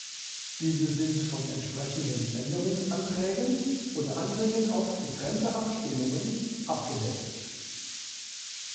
Diese sind von entsprechenden Änderungsanträgen oder Anträgen auf getrennte Abstimmungen abgedeckt.